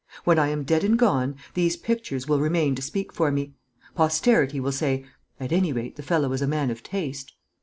When I am dead and gone, these pictures will remain to speak for me; posterity will say, 'At any rate the fellow was a man of taste.'